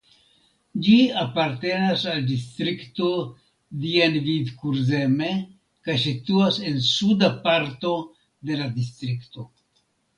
Ĝi apartenas al distrikto Dienvidkurzeme kaj situas en suda parto de la distrikto.